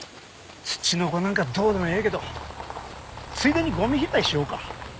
ツチノコなんかどうでもええけどついでにゴミ拾いしようか。